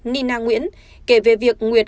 nina nguyễn kể về việc nguyệt